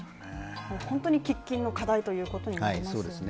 本当に喫緊の課題ということになりますよね。